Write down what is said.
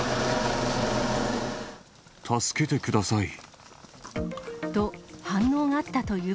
助けてください。